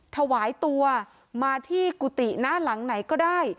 ถวายตัวมาที่กุฏิหน้าหลังไหนก็ได้